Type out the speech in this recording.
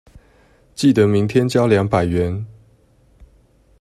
記得明天交兩百元